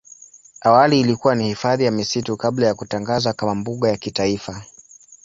Awali ilikuwa ni hifadhi ya misitu kabla ya kutangazwa kama mbuga ya kitaifa.